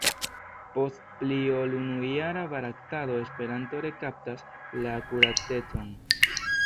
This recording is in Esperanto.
Post pli ol unujara baraktado Esperanto rekaptas la akuratecon.